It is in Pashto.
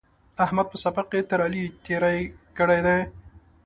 احمد په سبق کې تر علي تېری کړی دی.